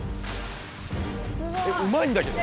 うまいんだけど。